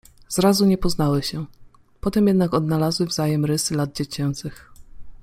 Zrazu nie poznały się, potem jednak odnalazły wzajem rysy lat dziecięcych.